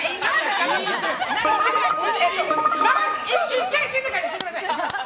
１回静かにしてください。